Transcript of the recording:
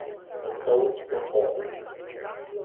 The clothes were torn.